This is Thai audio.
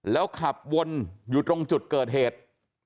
แล้วขับวนอยู่ตรงจุดเกิดเหตุ